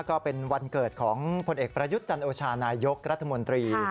ก็เป็นวันเกิดของผลเอกประยุทธ์จันโอชานายกรัฐมนตรี